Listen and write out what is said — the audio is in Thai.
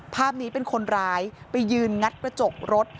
ภาพนี้เป็นคนร้ายไปยืนงัดกระจกรถ